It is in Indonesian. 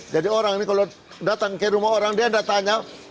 orang ini kalau datang ke rumah orang dia tidak tanya